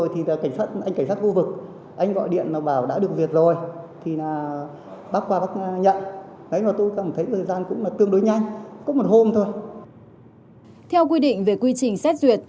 theo quy định về quy trình xét dụng